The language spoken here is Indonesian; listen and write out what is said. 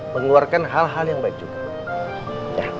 mengeluarkan hal hal yang baik juga